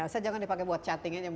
saya jangan dipakai buat chatting